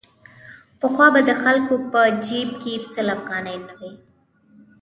پخوا به د خلکو په جېب کې سل افغانۍ نه وې.